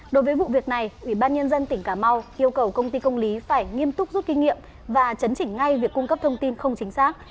đối với vụ việc này ủy ban nhân dân tỉnh cà mau yêu cầu công ty công lý phải nghiêm túc rút kinh nghiệm và chấn chỉnh ngay việc cung cấp thông tin không chính xác